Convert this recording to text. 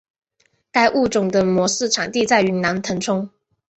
该物种的模式产地在云南腾冲。